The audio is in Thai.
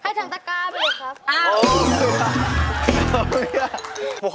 ให้ถังตะกร้าไปเลยครับ